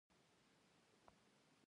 ایا اقتصادي ستونزې لرئ؟